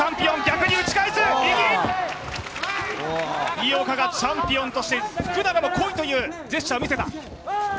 井岡がチャンピオンとして、福永に来いというジェスチャーを見せた。